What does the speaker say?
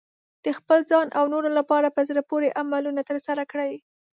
د خپل ځان او نورو لپاره په زړه پورې عملونه ترسره کړئ.